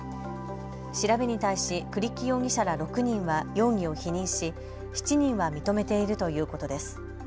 調べに対し栗木容疑者ら６人は容疑を否認し、７人は認めているということです。